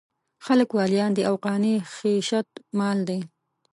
خلک واليان دي او قانع خېشت مال دی.